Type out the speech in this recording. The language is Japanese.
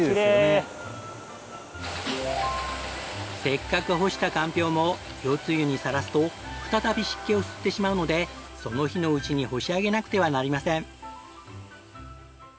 せっかく干したかんぴょうも夜露にさらすと再び湿気を吸ってしまうのでその日のうちに干し上げなくてはなりません。